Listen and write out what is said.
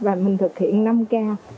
và mình thực hiện năm k